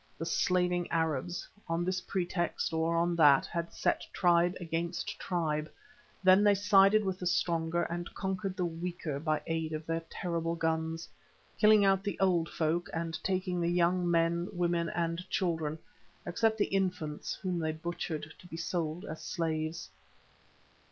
The slaving Arabs, on this pretext or on that, had set tribe against tribe. Then they sided with the stronger and conquered the weaker by aid of their terrible guns, killing out the old folk and taking the young men, women and children (except the infants whom they butchered) to be sold as slaves.